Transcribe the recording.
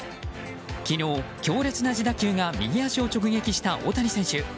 昨日、強烈な自打球が右足を直撃した大谷選手。